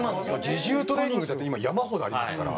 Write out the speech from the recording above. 自重トレーニングだって今山ほどありますから。